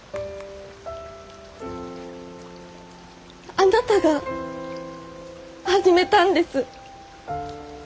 あなたが始めたんです！